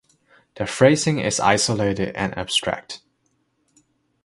The phrasing is isolated and abstract.